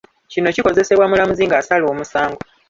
Kino kikozesebwa mulamuzi ng’asala omusango.